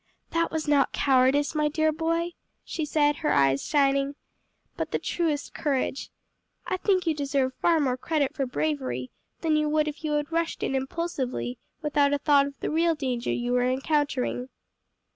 "That was not cowardice, my dear boy," she said, her eyes shining, "but the truest courage. I think you deserve far more credit for bravery, than you would if you had rushed in impulsively without a thought of the real danger you were encountering."